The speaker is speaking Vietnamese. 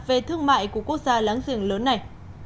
về thương mại của quốc gia láng giềng lớn này